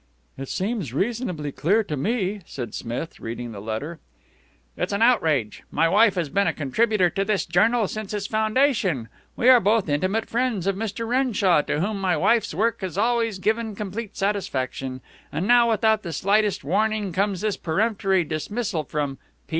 "It seems reasonably clear to me," said Smith, reading the letter. "It's an outrage. My wife has been a contributor to this journal since its foundation. We are both intimate friends of Mr. Renshaw, to whom my wife's work has always given complete satisfaction. And now, without the slightest warning, comes this peremptory dismissal from P.